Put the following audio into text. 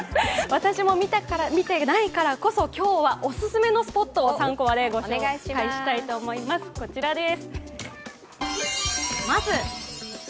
私も見てないからこそ、今日はオススメのスポットを３コマでご紹介したいと思います。